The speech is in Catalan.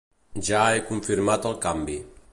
Ja he confirmat el canvi.